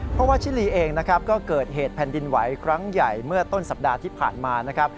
เพราะว่าชิลีเองนะครับก็เกิดเหตุแผ่นดินไหวครั้งใหญ่เมื่อต้นสัปดาห์ที่ผ่านมานะครับ